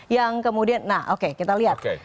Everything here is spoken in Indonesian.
yang kemudian nah oke kita lihat